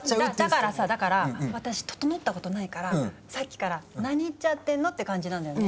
だからさだから私ととのったことないからさっきから「何言っちゃってんの？」って感じなんだよね。